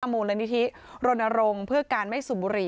มูลนิธิรณรงค์เพื่อการไม่สูบบุหรี่